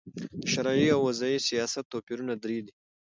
د شرعې او وضي سیاست توپیرونه درې دي.